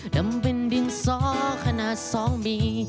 ดำเป็นดินสอขนาด๒บี